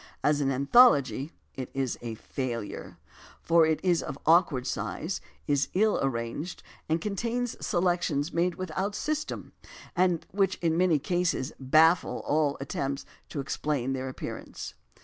As an anthology it is a failure, for it is of awkward size, is ill arranged, and contains selections made with out system, and which in many cases baffle all attempts to explain their appearance.